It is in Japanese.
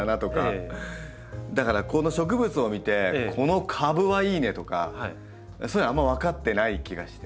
だからこの植物を見てこの株はいいねとかそういうのはあんま分かってない気がして。